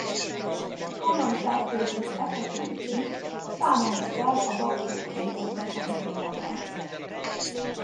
Komoly fertőzés esetén is számolni kell a baktérium-rezisztenciával.